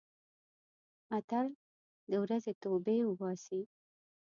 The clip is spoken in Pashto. متل: د ورځې توبې اوباسي.